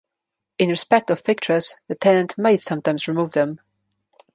In respect of fixtures, the tenant may sometimes remove them.